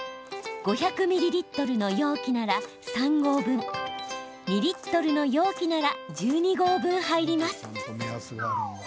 ５００ミリリットルの容器なら３合分２リットルの容器なら１２合分入ります。